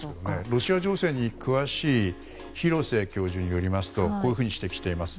ロシア情勢に詳しい廣瀬教授によりますとこういうふうに指摘しています。